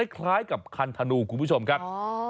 คล้ายกับคันธนูคุณผู้ชมครับ